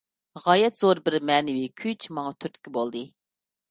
غايەت زور بىر مەنىۋى كۈچ ماڭا تۈرتكە بولدى.